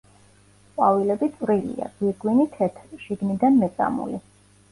ყვავილები წვრილია, გვირგვინი თეთრი, შიგნიდან მეწამული.